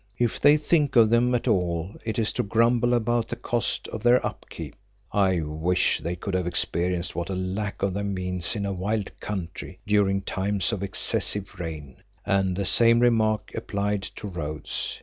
If they think of them at all it is to grumble about the cost of their upkeep. I wish they could have experienced what a lack of them means in a wild country during times of excessive rain, and the same remark applied to roads.